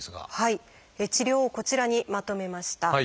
治療をこちらにまとめました。